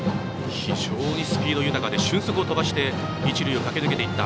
非常にスピード豊かで俊足を飛ばして一塁を駆け抜けていった。